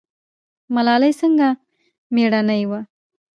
ملالۍ څنګه میړنۍ وه؟